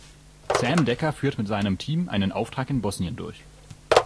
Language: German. Sam Decker führt mit seinem Team einen Auftrag in Bosnien durch.